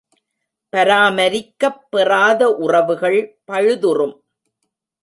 பராமரிக்கப் பெறாத உறவுகள் பழுதுறும்.